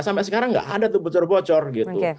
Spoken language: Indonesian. sampai sekarang nggak ada tuh bocor bocor gitu